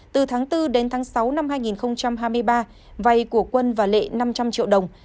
từ tháng bốn đến tháng sáu năm hai nghìn hai mươi ba vay của quân và lệ năm trăm linh triệu đồng